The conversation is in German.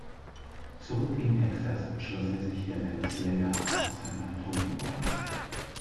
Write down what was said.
Zurück in Texas schloss er sich der Band "Slayer" aus San Antonio an.